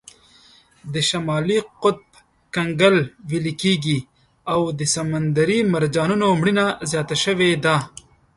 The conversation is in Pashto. د شمالي قطب کنګل ویلې کیږي او د سمندري مرجانونو مړینه زیاته شوې ده.